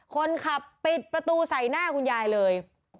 คนขับปิดประตูใส่หน้าคุณยายเลย